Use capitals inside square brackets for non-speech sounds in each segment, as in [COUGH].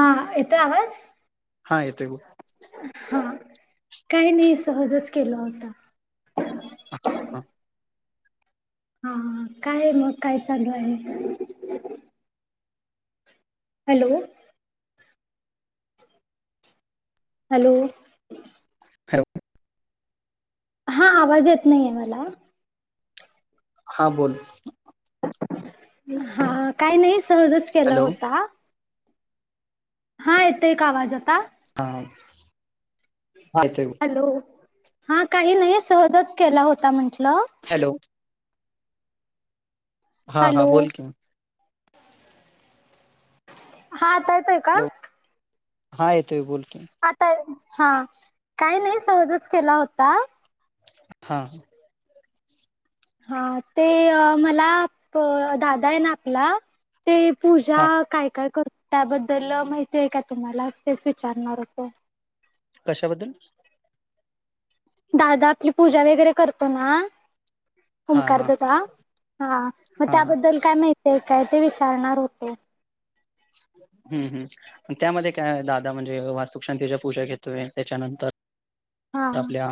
हा येतो आवाज हा येते ग हा काही नाही सहजच केला होता हा हा काय आहे मग काय चालू आहे हॅलो हॅलो हॅलो हा आवाज येत नाही आहे मला हा बोल हा काय नाही सहजचंं केला हॅलो होता हा येतोय का आवाज आता? हा हा येतोय बोल हॅलो हा काही नाही सहजचंं केला होता म्हंटलं. हॅलो हा हा हॅलो बोल की हा आता येतोय का? हॅलो हा येतोय बोल कि आता येतोय हा काय नाही सहजचंं केला होता. हा हा ते अ मला दादा आहे ना आपला ते पूजा हा काय काय करतो त्याबद्दल माहिती आहे का तुम्हाला? तेच विचारणार होते. कशाबद्दल? दादा आपली पूजा वगैरे करतो ना हा ओमकार हा दादा हा मग हा हा त्याबद्दल काय माहितीये काय ते विचारणार होते. हम्म हम्म त्यामध्ये काय दादा म्हणजे वास्तुशांतीच्या पूजा घेतोय त्याच्यानंतर हा आपल्या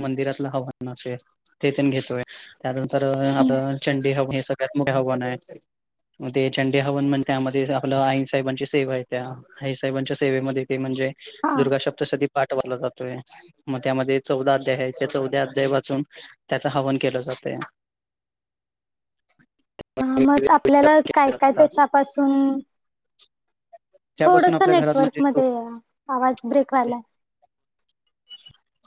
मंदिरातलं हवान असं आहे ते पण घेतोय त्यानंतर हम्म, आपण चंडी हवन मोठं हवन आहे मग ते चंडी हवन म्हण त्यामध्ये आपलं आई साहेबांची सेवा येत्या आई साहेबांच्या सेवेमध्ये ते म्हणजे हा दुर्गा सप्तशती पाठवला जातोय मग त्यामध्ये चौदा अध्याय आहे ते चौदा अध्याय वाचुन त्याचं हवन केलं जातंय. हा मग आपल्याला काय काय त्याच्यापासून त्यापासून थोडसं आपल्या नेटवर्क मध्ये या आवाज ब्रेक हे अ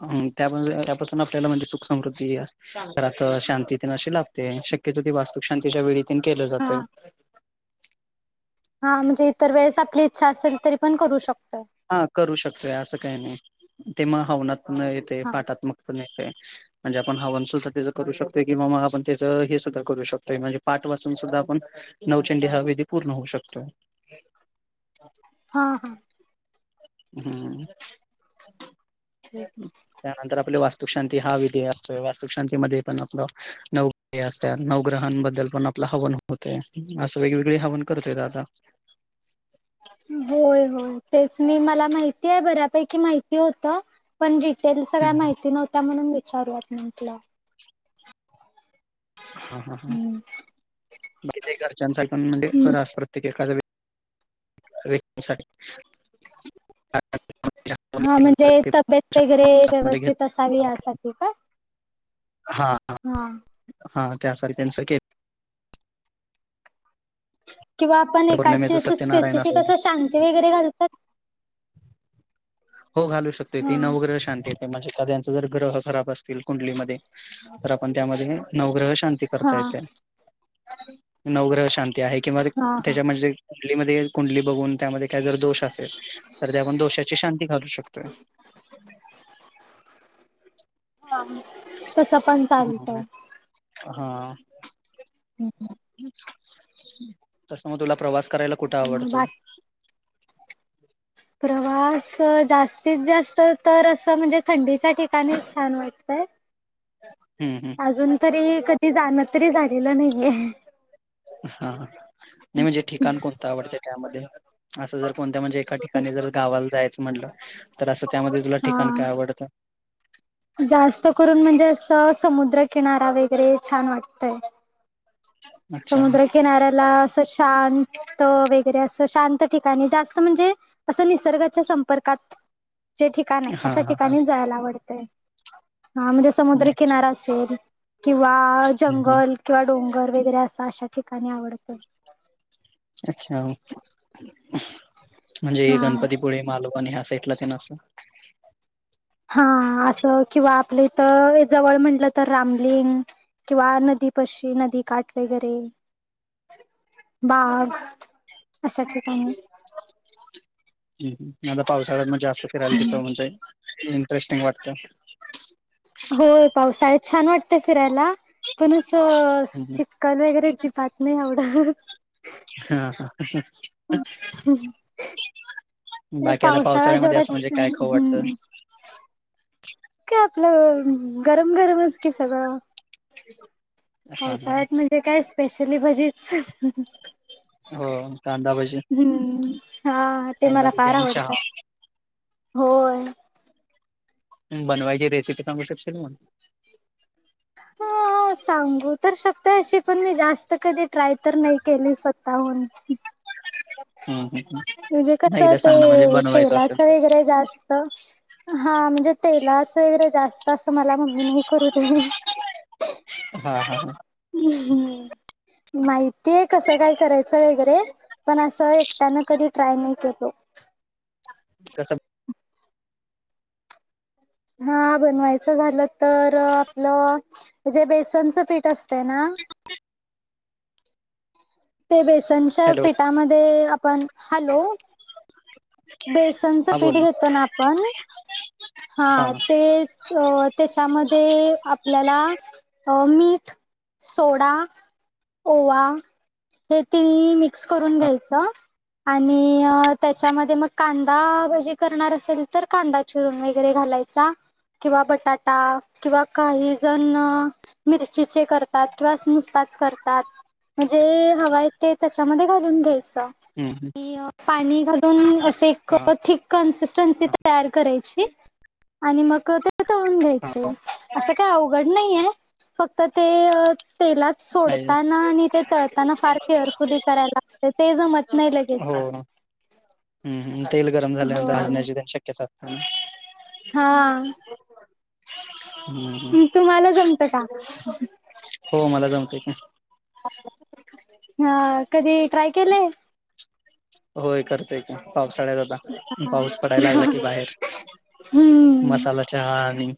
हम त्या त्यापासून आपल्याला म्हणजे सुख समृद्धी घरात ते शांतीत अशी लाभते शक्यतो ती वास्तू शांतीच्या वेळी तेन केलं हा जातं. हा म्हणजे इतर वेळेस आपली इच्छा असेल तरी पण करू शकतो. हा करू शकतोय असं काही नाही ते मग हवनात पण येतंय हा पाठात्मक पण येतंय. म्हणजे आपण हवन सुद्धा त्याचं करू शकतोय किंवा मग आपण त्याचं हे सुद्धा करू शकतोय म्हणजे पाठ वाचून सुद्धा आपण नवचंडी हा विधी पूर्ण होऊ शकतोय. हा हा हम्म ठीक. त्यानंतर आपली वास्तुकशांती हा विधी असतोय वास्तुकशांतीमध्ये पण आपलं नऊ ते असत नवग्रहांबद्दल पण आपलं हवन होत असं वेगवेगळे हवन करतोय दादा. होय होय तेच मी मला माहिती आहे बऱ्यापैकी माहिती होतं. पण डिटेल हा सगळ्या माहिती नव्हत्या म्हणून विचारूयात म्हटलं. हा हा हा हम्म माहितीये का घरच्यांच म्हणजे बराच प्रत्येक एखादेवेळी वेळ साठी अ ऊ [INAUDIBLE] हा म्हणजे तब्येत वगैरे व्यवस्थित असावी यासाठी हा आ हा हा त्यासारख्यांचीच किंवा आपण एकाची पौर्णिमेचं असं सत्यनारायण स्पेसिफिक असो असं शांती वगैरे घालतात. हो घालू शकतो ती हा नवग्रह शांती म्हणजे एखादयाचं जर ग्रह खराब असतील कुंडलीमध्ये तर आपण त्यामध्ये नवग्रह शांत ती हा करता येतय. नवग्रह शांती आहे किंवा हा त्याच्या म्हणजे कुंडलीमध्ये कुंडली बघून त्यामध्ये काही जर दोष असेल तर ते आपण दोषाची शांती घालू शकतोय. ह तस पण चालत. हा हम् तसं मग तुला प्रवास करायला कुठे आवडतोय? बाकी प्रवास जास्तीत जास्त तर असं म्हणजे थंडीच्या ठिकाणीच छान वाटतंय. हम्म हम्म अजून तरी कधी जाणं तरी झालेलं नाहीये. हा, नाही म्हणजे ठिकाण कोणतं आवडत त्यामध्ये? असं जर कोणत्या म्हणजे एका ठिकाणी जर गावाला जायचं म्हटलं तर, असं त्यामध्ये तुला ठिकाण हा काय आवडतं? जास्त करून म्हणजे असं समुद्रकिनारा वगैरे छान वाटतय. [UNINTELLIGIBLE] समुद्रकिनाऱ्याला असं शांत वगैरे असं शांत ठिकाणी जास्त म्हणजे असं निसर्गाच्या संपर्कात जे ठिकाण आहे, हा अशा हा हा ठिकाणी जायला आवडतय. हा म्हणजे समुद्रकिनारा असेल किंवा जंगल किंवा डोंगर वगैरे अस. अशा ठिकाणी आवडतं. अच्छा म्हणजे हा गणपती पुळे, मालवन हया साइड ला तेन असं. हा असं किंवा आपले इथ जवळ म्हंटलं तर रामलिंग. किंवा नदी पशी नदी काठ वगैरे बाग अशा ठिकाणी. हमम, आता पावसाळ्यात म जास्त फिरायला तिथ म्हणजे इंटरेस्टिंग वाटतं. होय पावसाळ्यात छान वाटत फिरायला. पण असं हं हं चिक्कल वगैरे अजिबात नाही आवडत. हा हा. ते बाकी आता पावसाळा पावसाळ्यामध्ये जेवढा असं म्हणजे काय खाऊ वाटतं? हम्म [UNINTELLIGIBLE] काय आपलं गरम गरमच कि सगळं. हां हां पावसाळ्यात म्हणजे काय स्पेशली भजीच. हो कांदा भजी. हम्म, हा, ते कांदा मला भजी फार आणि आवडतात. चहा होय. बनवायची रेसिपी सांगू शकशील मग? [UNINTELLIGIBLE] हों सांगू तर शकते अशी पण मी जास्त कधी ट्राय तर नाही केली स्वतःहून. हं हं हं म्हणजे नाही कसं एकदा सांग ना म्हणजे ते- बनवायचं असेल तेलाच तर. वगैरे जास्त त हां म्हणजे तेलाच वगैरे जास्त असं मला मम्मी नाही करू दे [UNINTELLIGIBLE] हां हां हां. हम् हम् माहितीय कसं काय करायचं वगैरे. पण असं एकट्यान कधी ट्राय नाही केलो. कस हा बनवायचं झालं तर आपलं म्हणजे बेसनचं पीठ असतयं ना ते बेसनच्या हॅलो पिठामध्ये आपण हॅलो बेसनचं हां पीठ बोल घेतो ना आपण हा हां ते अ त्याच्यामध्ये आपल्याला मीठ सोडा, ओवा, हे तीन मिक्स करून घ्यायचं. आणि, अं त्याच्यामध्ये मग कादांभजी करणार असेल तर कांदा चिरून वगैरे घाल- सा किंवा बटाटा किंवा काही जणं- मिरचीचे करतात किंवा अस् नुसताच करतात म्हणजें- हवायं ते त्याच्यामध्ये घालून घ्यायचा- हुं हुं आणि पाणी घालून असे एक थिक्- कन्सिस्टन्सी हां तयार करायचीआणि मग - ते तळून हां घ्यायचे असं काही अवघड नाहीये फक्त ते- तेलात नाही सोडताना आणि ते तळ- ताना ना फार केअरफुली करायला लागतेयं ते जमत नाही लगेच- हो ना हुंहुं तेल गरम झाल्यानंतर होय हलण्याची शक्यता असतेनां- हां- हुंहुं- तुम्हाला जमतं का? हो मला जमतयेतं की- हां कधी ट्राय केलंय? होयं करतोयं की पावसाळ्याळ्यात. ता पाऊस पडायला लागला की बाहेर हम्म मसाला चहा आणि-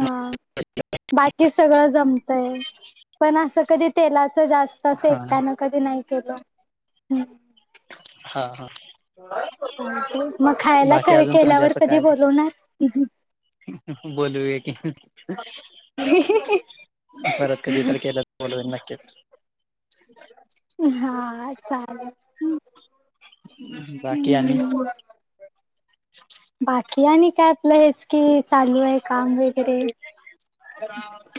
हां बाकी सगळं जमतय पण असं कधी तेलाच जास्- तस हा एकट्यानं कधी नाही केलं हुं- हां हां- [INAUDIBLE] मग खायला बाकी कधी अजून केल्यावर कधी बोलवणार? बोलोलू या की- परत कधी तर केलं बोलवीन नक्कीच. हां चाले- बाकी आणि हुं बाकी आणि काय आपलं हेच कि- चालूयें काम वगैरे-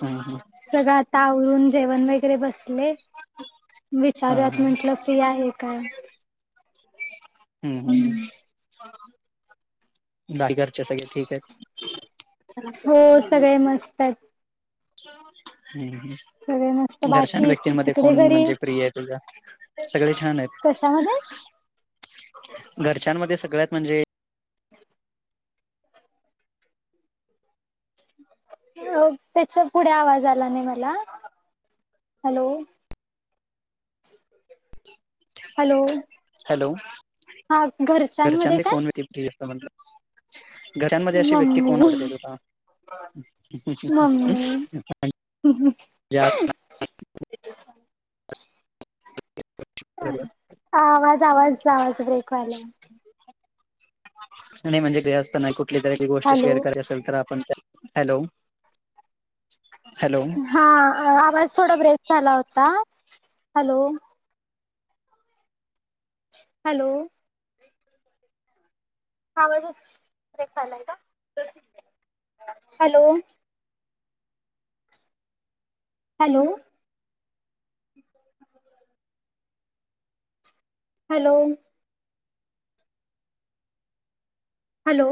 हम्म हम्म सगळं आता आवरून जेवण वगैरे बसले हा हा विचारूयात हम्म म्हटलं फ्री आहे- काय? हुं हुं बाकी घरचे सगळे ठीकयेतं? [UNINTELLIGIBLE] हो सगळे मस्त आहेत. [UNINTELLIGIBLE] हुं सगळे मस्त हुं- घरच्यांन बाकी व्यक्तींमध्ये तिकडे कोण घरी म्हणजे प्रिय आहे तुझ्या सगळे छान आहेत. त्यामध्ये- घरच्यांमध्ये सगळ्यात म्हणजे [INAUDIBLE] हो त्याचा पुढे आवाज आला नाही मला हॅलो हॅलो हॅलो हा घरच्यांमध्येध्ये काय ति अस म्ह [INAUDIBLE] घरांमध्ये अशी व्यक्ती कोण मम्मी आवाडते तुला? मम्मी [UNINTELLIGIBLE] [UNINTELLIGIBLE] [UNINTELLIGIBLE] आवाज आवाज आवाज ब्रेक व्हालांय. आणि म्हणजे ते असताना कुठली तरी आपली गोष्ट शेअर हॅलो करायची असेल तर आपण- हॅलो- हॅलो हां आवाज थोडा ब्रेक झाला होता हॅलो- हॅलो- आवाजलाय का hello hello hello hello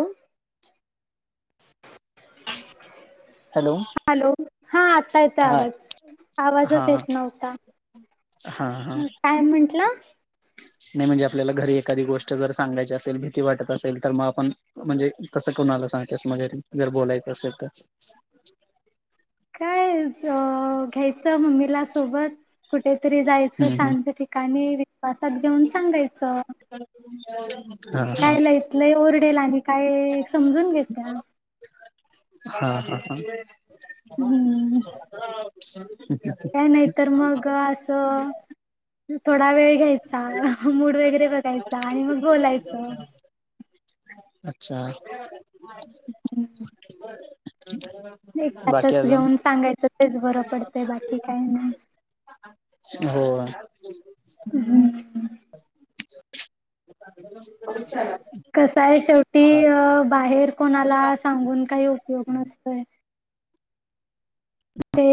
[INAUDIBLE] hello hello हा आता येतो हा आवाज आवाजच हा येत नव्हता हा हा काय म्हटलं नाही म्हणजे आपल्याला घरी एखादी गोष्ट जर सांगायची असेल भीती वाटत असेल तर मग आपण म्हणजे कसं कोणाला सांगस मगैरेर बोलायचं असेल तर [INAUDIBLE] काय घ्यायचं मम्मीला सोबत कुठेतरी जायचं हम्म हम्म शांत ठिकाणी विश्वासात घेऊन सांगायचं ह काय ल इतलं ओरडेल आणि काय समजून घेत्या हा ह ह हम्म हो आ का नाहीतर मग असं थोडा वेळ घ्यायचा मूड वगैरे बघायचा आणि मग बोलायचं अच्छा [INAUDIBLE] ह् बाकी एकातच अजून घेऊन सांगायचं तेच बरं पडत बाकी काही नाही हो हम् हो ह कसय शेवटी बाहेर कोणाला सांगून काही उपयोग नसतोय ते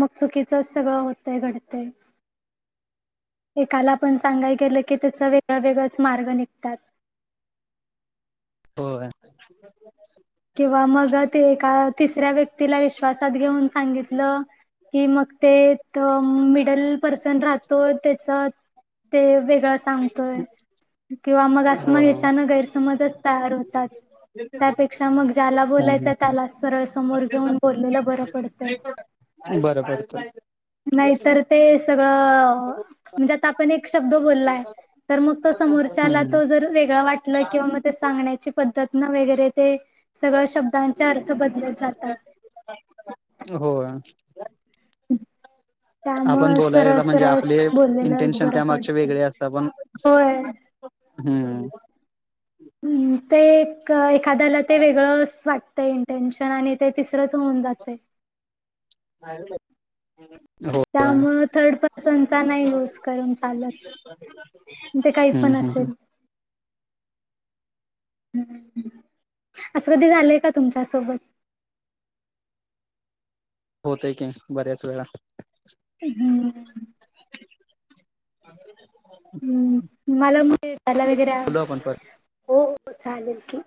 मग चुकीचंच सगळं होतय घडतं एकाला पण सांगाय गेलं की त्याचं वेगळ वेगळंच मार्ग निघतात हो किंवा मग ते एका तिसऱ्या व्यक्तीला विश्वासात घेऊन सांगितलं कि मग ते मिडल पर्सन राहतो त्याचा ते वेगळं सांगतोय किंवा मग असं मग हो हचानक गैरसमजच तयार होत त्यापेक्षा पक्षा मग ज्याला हम्म बोलायचं त्याला सरळ समोर घेऊन बोललेला बरं पडतंय बरोबर नाहीतर ते सगळं म्हणजे आता आपण एक शब्द बोललाय तर मग तो समोरच्याला हम्म तो जर वेगळं वाटलं किंवा मग ते सांगण्याची पद्धत ना वगैरे ते सगळ शब्दांचे अर्थ बदलत जातात [INAUDIBLE] हो हम् आपण बोलायला म्हणजे आपले बोललेलंच इंटेन्शन बरं त्यामागचे पडतं. वेगळे असत पण होय. हम्म हम् ते एखाद्याला ते वेगळंच वाटतंय टेन्शन आणि ते तिसरंच होऊन जाते बरो् त्यामुळं थर्ड पर्सनचा नाही यूज करून चालत ते काही पण असेल हम्म असं कधी झालंय का तुमच्यासोबत होतय की बऱ्याच वेळा हम्म अ [UNINTELLIGIBLE] हम् मला त्याला वगैरे बोलू आपण परत हो चालेल की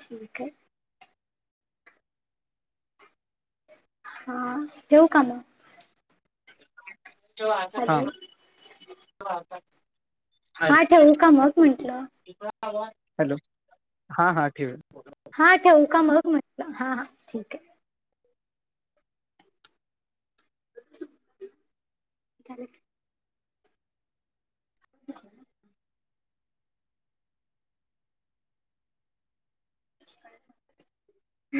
ठीक आहे हा ठेऊ का मग? जो आता हॅलो आता [UNINTELLIGIBLE] हा ठेवू का मग म्हंटलं? हॅलो हा हा ठेव हा ठेवू का मग म्हटलं हा हा ठीक आहे. चाले [INAUDIBLE] [INAUDIBLE]